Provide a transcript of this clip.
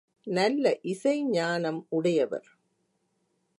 நல்ல இசை ஞானமுடையவர்.